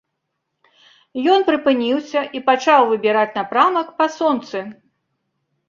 Ён прыпыніўся і пачаў выбіраць напрамак па сонцы.